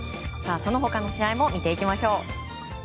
その他の試合も見ていきましょう。